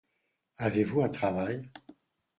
Avez-vous un travail ?